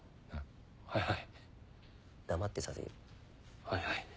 はいはい。